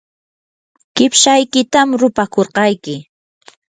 qipshaykitam rupakurqayki.